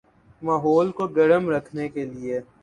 ماحول کو گرم رکھنے کے لئے